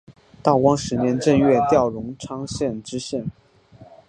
道光十年正月调荣昌县知县。